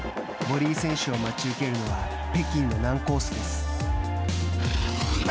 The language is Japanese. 森井選手を待ち受けるのは北京の難コースです。